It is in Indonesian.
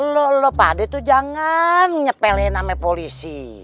lu lu pak hade tuh jangan nyepelein sama polisi